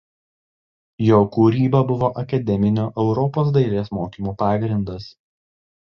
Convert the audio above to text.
Jo kūryba buvo akademinio Europos dailės mokymo pagrindas.